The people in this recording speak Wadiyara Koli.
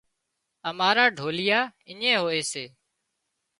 امارا ڍوليئا اڃين هوئي سي